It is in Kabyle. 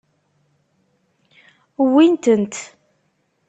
Wwin-tent.